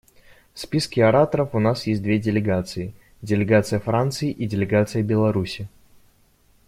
В списке ораторов у нас есть две делегации: делегация Франции и делегация Беларуси.